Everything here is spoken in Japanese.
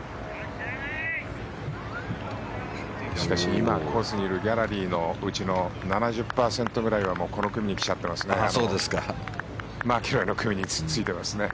しかし今コースにいるギャラリーのうちの７０％ぐらいはこの組に来ちゃってますね。